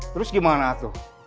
terus gimana tuh